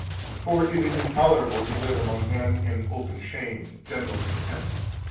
For it is intolerable to live among men in open shame and general contempt.